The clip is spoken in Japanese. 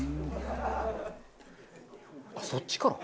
あっそっちから？